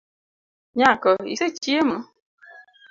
Nyako, isechiemo?